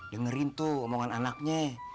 dengerin tuh omongan anaknya